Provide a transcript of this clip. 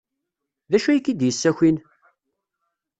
D acu ay k-id-yessakin?